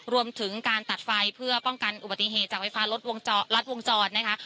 รวมถึงการตัดไฟเพื่อป้องกันอุบัติเหตุจากไฟฟ้ารถลัดวงจรนะคะ